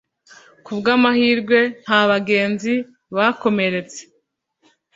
ku bw'amahirwe, nta bagenzi bakomeretse